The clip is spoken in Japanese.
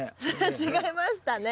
違いましたね。